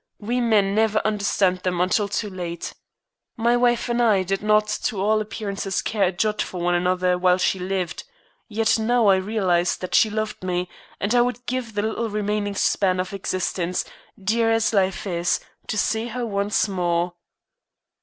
We men never understand them until too late. My wife and I did not to all appearance care a jot for one another while she lived. Yet I now realize that she loved me, and I would give the little remaining span of existence, dear as life is, to see her once more."